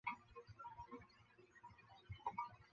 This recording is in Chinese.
这意味者有将近一半的动力是被浪费掉的。